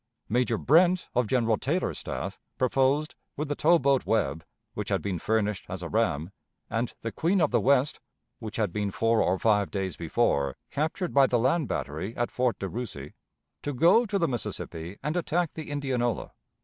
Major Brent, of General Taylor's staff, proposed, with the tow boat Webb, which had been furnished as a ram, and the Queen of the West, which had been four or five days before captured by the land battery at Fort De Russy, to go to the Mississippi and attack the Indianola.